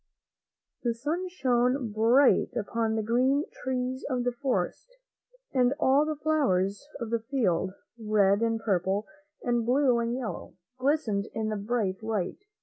The sun shone bright upon the green trees of the forest, and all the flowers of the field, red and purple and blue and yellow, glistened in the bright light.